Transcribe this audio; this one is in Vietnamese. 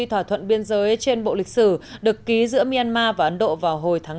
thỏa thuận biên giới trên bộ lịch sử được ký giữa myanmar và ấn độ vào hồi tháng năm